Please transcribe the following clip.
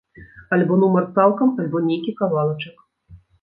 Альбо нумар цалкам, альбо нейкі кавалачак.